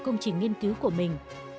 công trình nghiên cứu của mình